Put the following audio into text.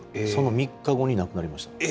その３日後に亡くなりました。